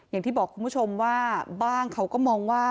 อย่างที่บอกคุณผู้ชมว่าบ้างเขาก็มองว่า